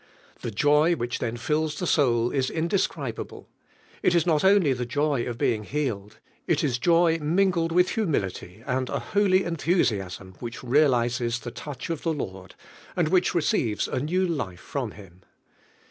The joy which then fills tbe soul is in describable; it is not only the joy of being healed, H is Joy mingled with humility, and a holy enthusiasm which realises bhe touch of the Lord, and which receives a new life from Him.